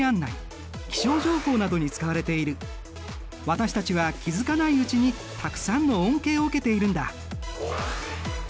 私たちは気付かないうちにたくさんの恩恵を受けているんだ。